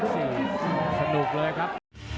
สนุกเลยครับ